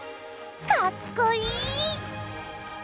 かっこいい！